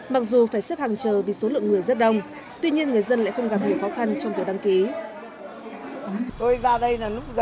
mặc dù phải xếp hàng chờ vì số lượng người rất đông tuy nhiên người dân lại không gặp nhiều khó khăn trong việc đăng ký